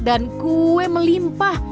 dan kue melimpah